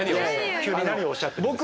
急に何をおっしゃってるんですか？